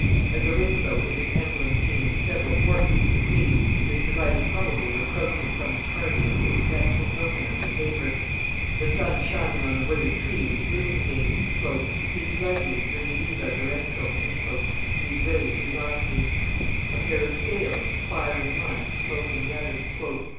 As the rainbow is an emblem seen in several portraits of the queen, this device probably reproaches some tardy and ineffectual token of her favor. The sun shining on a withered tree which blooms again, "His radiis rediviva viresco" (These rays revive me). A pair of scales, fire in one, smoke in the other, "Ponderare errare" (To weigh is to err).